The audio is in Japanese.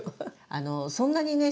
あのそんなにね